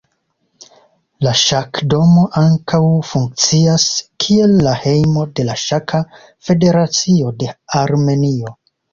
La ŝakdomo ankaŭ funkcias kiel la hejmo de la Ŝaka Federacio de Armenio.